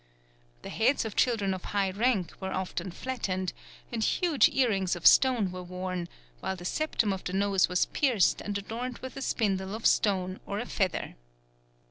The heads of children of high rank were often flattened, and huge earrings of stone were worn; while the septum of the nose was pierced and adorned with a spindle of stone or a feather.